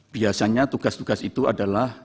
biasanya tugas tugas itu adalah